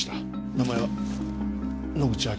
名前は野口明。